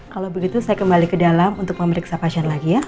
kalau begitu saya kembali ke dalam untuk memeriksa pasien lagi ya